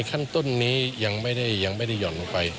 ขั้นต้นนี้ยังไม่ได้หย่อนลงไป